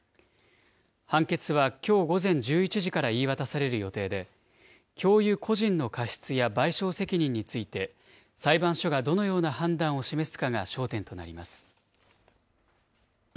判決はきょう午前１１時から言い渡される予定で、教諭個人の過失や賠償責任について、裁判所がどのような判断を示すかが焦点となります。